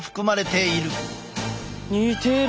似てる。